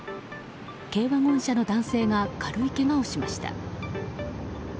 軽ワゴン車の男性が軽いけがをしました。